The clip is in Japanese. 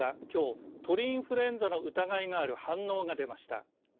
きょう、鳥インフルエンザの疑いがある反応が出ました。